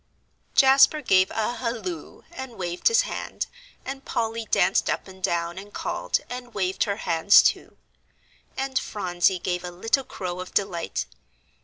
Jasper gave a halloo, and waved his hand, and Polly danced up and down and called, and waved her hands too. And Phronsie gave a little crow of delight.